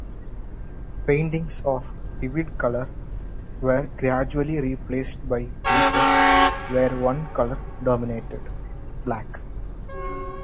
Paintings of vivid color were gradually replaced by pieces where one color dominated: black.